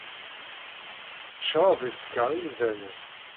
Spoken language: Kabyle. Ccrab isekker imdanen.